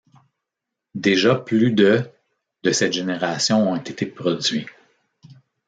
Déjà plus de de cette génération ont été produits.